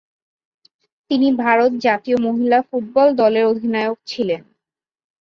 তিনি ভারত জাতীয় মহিলা ফুটবল দলের অধিনায়ক ছিলেন।